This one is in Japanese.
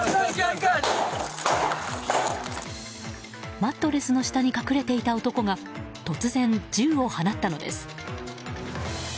マットレスの下に隠れていた男が突然、銃を放ったのです。